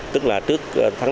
tức là trước tháng năm